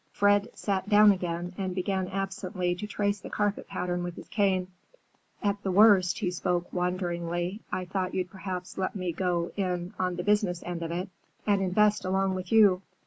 Fred sat down again and began absently to trace the carpet pattern with his cane. "At the worst," he spoke wanderingly, "I thought you'd perhaps let me go in on the business end of it and invest along with you.